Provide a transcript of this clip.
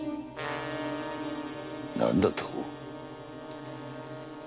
何だと？